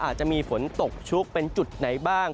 อาจจะมีฝนตกชุกเป็นจุดไหนบ้าง